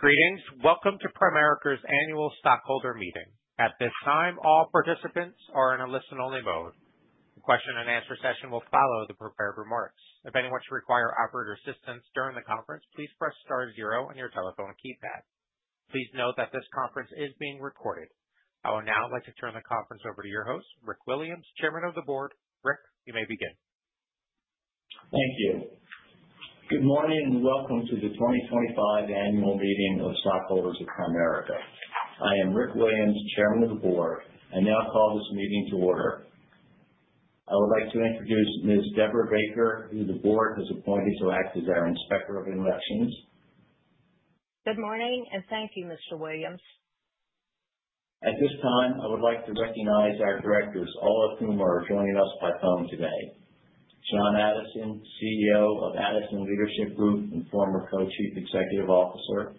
Greetings. Welcome to Primerica's annual stockholder meeting. At this time, all participants are in a listen-only mode. The question-and-answer session will follow the prepared remarks. If anyone should require operator assistance during the conference, please press star zero on your telephone keypad. Please note that this conference is being recorded. I would now like to turn the conference over to your host, Rick Williams, Chairman of the Board. Rick, you may begin. Thank you. Good morning, welcome to the 2025 annual meeting of stockholders of Primerica. I am Rick Williams, Chairman of the Board. I now call this meeting to order. I would like to introduce Ms. Deborah Baker, who the Board has appointed to act as our Inspector of Elections. Good morning, and thank you, Mr. Williams. At this time, I would like to recognize our directors, all of whom are joining us by phone today. John Addison, CEO of Addison Leadership Group and former Co-Chief Executive Officer.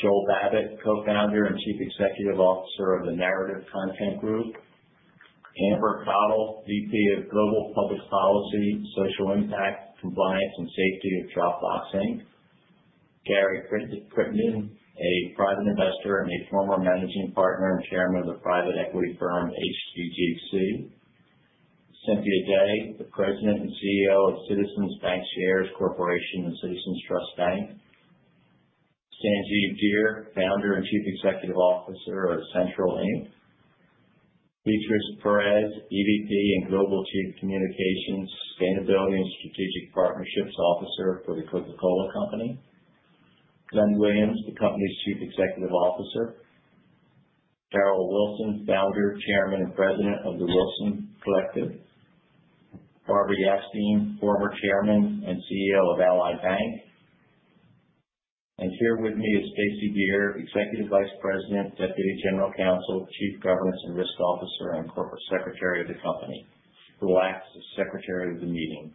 Joel Babbit, Co-founder and Chief Executive Officer of The Narrative Content Group. Amber Cottle, VP of Global Public Policy, Social Impact, Compliance, and Safety at Dropbox, Inc. Gary Crittenden, a private investor and a former Managing Partner and Chairman of the private equity firm HGGC. Cynthia Day, the President and CEO of Citizens Bancshares Corporation and Citizens Trust Bank. Sanjeev Dheer, Founder and Chief Executive Officer of CENTRL Inc. Beatriz Perez, EVP and Global Chief Communications, Sustainability, and Strategic Partnerships Officer for The Coca-Cola Company. Glenn Williams, the company's Chief Executive Officer. Darryl Wilson, Founder, Chairman, and President of The Wilson Collective. Barbara Yastine, former Chairman and CEO of Ally Bank. Here with me is Stacey Geer, Executive Vice President, Deputy General Counsel, Chief Governance and Risk Officer, and Corporate Secretary of the company, who will act as Secretary of the Meeting.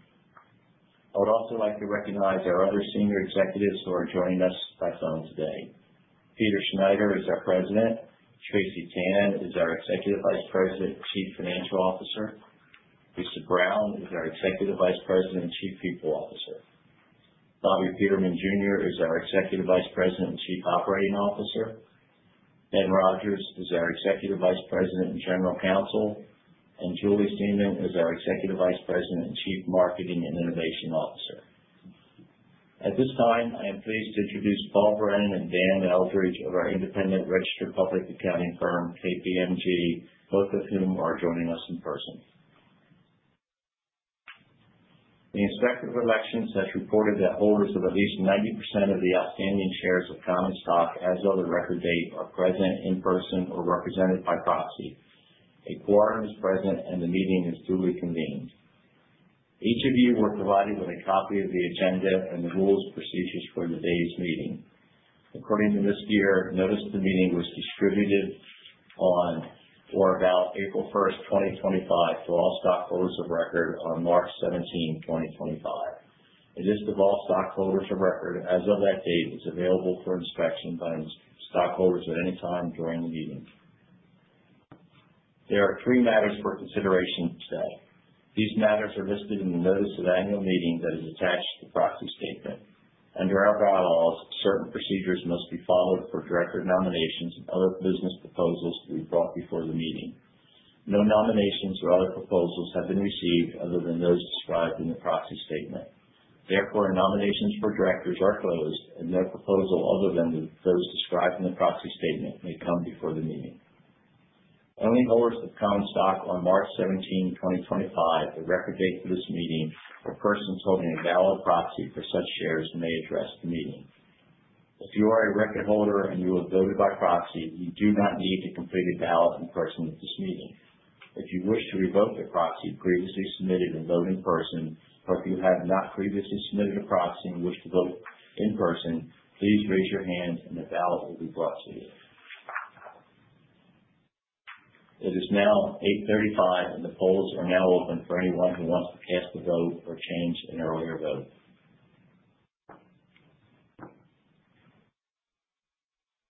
I would also like to recognize our other senior executives who are joining us by phone today. Peter Schneider is our President. Tracy Tan is our Executive Vice President and Chief Financial Officer. Lisa Brown is our Executive Vice President and Chief People Officer. Bobby Peterman Jr. is our Executive Vice President and Chief Operating Officer. Brett Rogers is our Executive Vice President and General Counsel. Julie Seman is our Executive Vice President and Chief Marketing and Innovation Officer. At this time, I am pleased to introduce Paul Brennan and Dan Eldridge of our independent registered public accounting firm, KPMG, both of whom are joining us in person. The Inspector of Elections has reported that holders of at least 90% of the outstanding shares of common stock as of the record date are present in person or represented by proxy. A quorum is present and the meeting is duly convened. Each of you were provided with a copy of the agenda and the rules and procedures for today's meeting. According to Ms. Geer, notice of the meeting was distributed on or about April 1st, 2025, to all stockholders of record on March 17, 2025. A list of all stockholders of record as of that date is available for inspection by stockholders at any time during the meeting. There are three matters for consideration today. These matters are listed in the notice of annual meeting that is attached to the proxy statement. Under our bylaws, certain procedures must be followed for director nominations and other business proposals to be brought before the meeting. No nominations or other proposals have been received other than those described in the proxy statement. Therefore, nominations for directors are closed and no proposal other than those described in the proxy statement may come before the meeting. Only holders of common stock on March 17th, 2025, the record date for this meeting, or persons holding a valid proxy for such shares, may address the meeting. If you are a record holder and you have voted by proxy, you do not need to complete a ballot in person at this meeting. If you wish to revoke a proxy previously submitted and vote in person, or if you have not previously submitted a proxy and wish to vote in person, please raise your hand and a ballot will be brought to you. It is now 8:35 A.M., and the polls are now open for anyone who wants to cast a vote or change an earlier vote.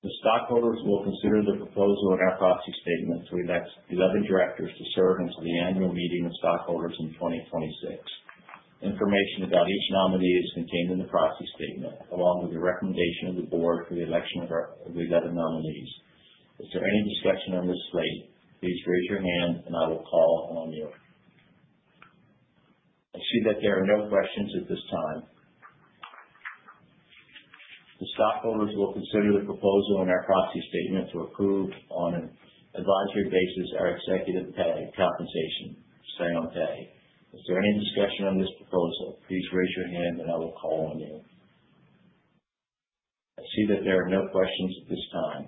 The stockholders will consider the proposal in our proxy statement to elect 11 directors to serve until the annual meeting of stockholders in 2026. Information about each nominee is contained in the proxy statement, along with the recommendation of the board for the election of our 11 nominees. Is there any discussion on this slate? Please raise your hand and I will call on you. I see that there are no questions at this time. The stockholders will consider the proposal in our proxy statement to approve, on an advisory basis, our executive compensation, say on pay. Is there any discussion on this proposal? Please raise your hand and I will call on you. I see that there are no questions at this time.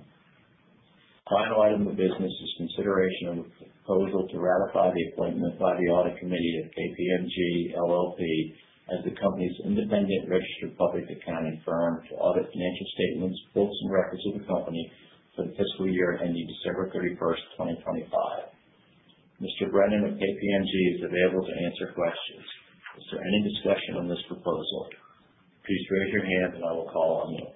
The final item of business is consideration of the proposal to ratify the appointment by the Audit Committee of KPMG LLP as the company's independent registered public accounting firm to audit financial statements, books, and records of the company for the fiscal year ending December 31st, 2025. Mr. Brennan of KPMG is available to answer questions. Is there any discussion on this proposal? Please raise your hand and I will call on you.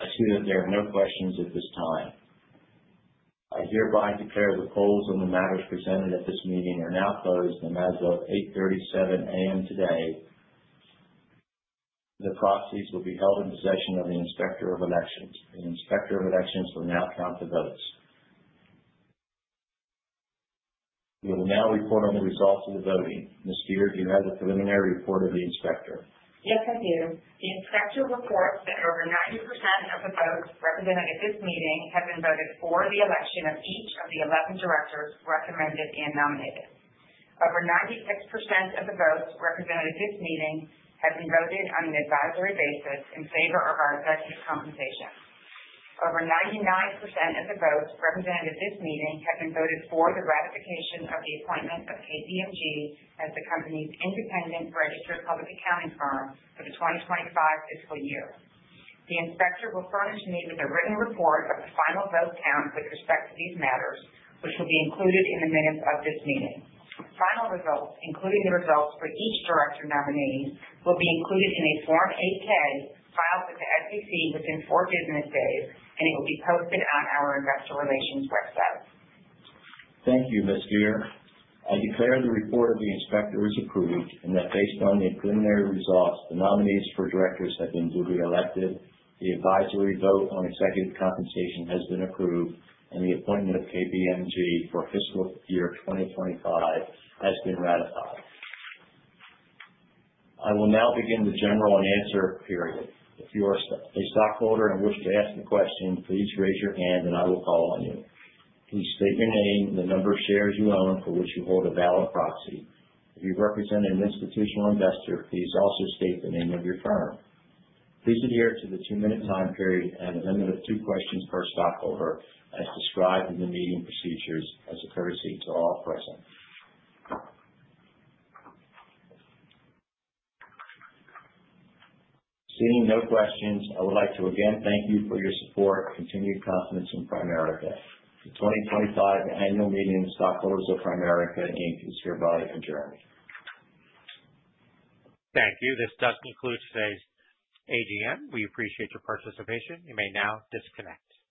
I see that there are no questions at this time. I hereby declare the polls on the matters presented at this meeting are now closed, and as of 8:37 A.M. today, the proxies will be held in possession of the Inspector of Elections. The Inspector of Elections will now count the votes. We will now report on the results of the voting. Ms. Geer, do you have the preliminary report of the Inspector? Yes, I do. The inspector reports that over 90% of the votes represented at this meeting have been voted for the election of each of the 11 directors recommended and nominated. Over 96% of the votes represented at this meeting have been voted on an advisory basis in favor of our executive compensation. Over 99% of the votes represented at this meeting have been voted for the ratification of the appointment of KPMG as the company's independent registered public accounting firm for the 2025 fiscal year. The inspector will furnish me with a written report of the final vote count with respect to these matters, which will be included in the minutes of this meeting. Final results, including the results for each director nominee, will be included in a Form 8-K filed with the SEC within four business days. It will be posted on our investor relations website. Thank you, Ms. Geer. I declare the report of the inspector is approved, and that based on the preliminary results, the nominees for directors have been duly elected, the advisory vote on executive compensation has been approved, and the appointment of KPMG for fiscal year 2025 has been ratified. I will now begin the general answer period. If you are a stockholder and wish to ask a question, please raise your hand and I will call on you. Please state your name and the number of shares you own for which you hold a valid proxy. If you represent an institutional investor, please also state the name of your firm. Please adhere to the two-minute time period and a limit of two questions per stockholder as described in the meeting procedures as a courtesy to all present. Seeing no questions, I would like to again thank you for your support and continued confidence in Primerica. The 2025 annual meeting of stockholders of Primerica Inc. is hereby adjourned. Thank you. This does conclude today's AGM. We appreciate your participation. You may now disconnect.